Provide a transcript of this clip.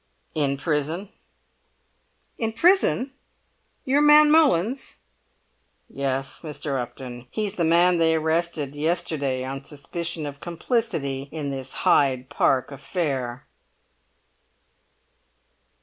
"In prison." "In prison! Your man Mullins?" "Yes, Mr. Upton, he's the man they arrested yesterday on suspicion of complicity in this Hyde Park affair!"